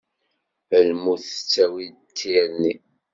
Lmut tettawi d tirni.